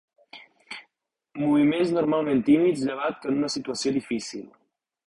Moviments normalment tímids llevat que en una situació difícil.